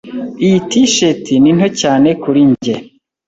Iyi T-shirt ni nto cyane kuri njye.